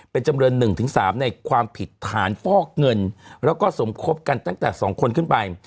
เป็นจำเรือนหนึ่งถึงสามในความผิดฐานฟอกเงินแล้วก็สมครบกันตั้งแต่สองคนขึ้นไป